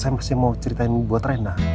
saya masih mau ceritain buat renda